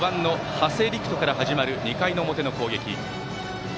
４番の長谷陸翔から始まる２回の表の攻撃。